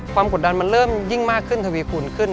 กดดันมันเริ่มยิ่งมากขึ้นทวีคูณขึ้น